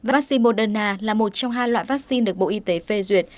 vaccine moderna là một trong hai loại vaccine được bộ y tế phê duyệt